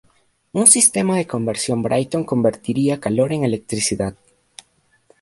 Un sistema de conversión Brayton convertiría calor en electricidad.